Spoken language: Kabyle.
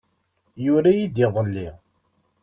Yura-iyi-d iḍelli.